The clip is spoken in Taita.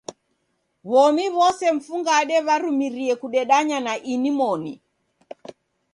W'omi w'ose mfungade w'arumirie kudedanya na ini moni.